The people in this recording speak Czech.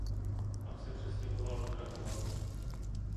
Pak se přestěhoval do Krakova.